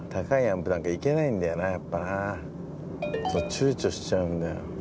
ちゅうちょしちゃうんだよ。